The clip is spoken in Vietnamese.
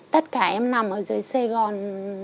tất cả em nằm ở dưới sài gòn